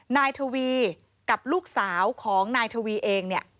นายทวีกับลูกสาวของนายทวีเองเนี่ย